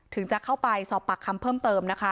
จะเข้าไปสอบปากคำเพิ่มเติมนะคะ